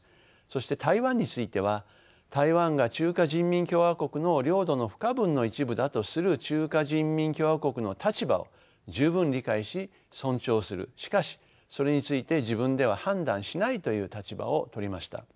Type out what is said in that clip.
そして台湾については台湾が中華人民共和国の領土の不可分の一部だとする中華人民共和国の立場を十分理解し尊重するしかしそれについて自分では判断しないという立場を取りました。